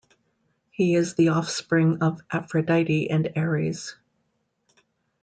He is the offspring of Aphrodite and Ares.